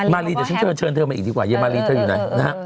มารีจะเชิญเธอมาอีกดีกว่าไยน์มารีเธออยู่ไหน